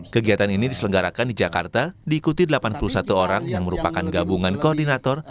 kegiatan ini diselenggarakan di jakarta diikuti delapan puluh satu orang yang merupakan gabungan koordinator